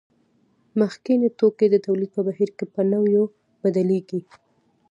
مخکیني توکي د تولید په بهیر کې په نویو بدلېږي